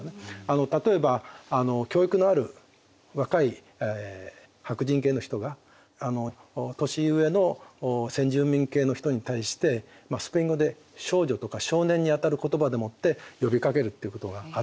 例えば教育のある若い白人系の人が年上の先住民系の人に対してスペイン語で少女とか少年にあたる言葉でもって呼びかけるっていうことがあったりするんですね。